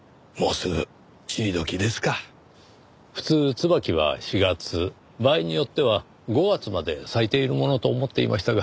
普通椿は４月場合によっては５月まで咲いているものと思っていましたが。